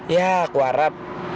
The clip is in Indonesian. ya aku harap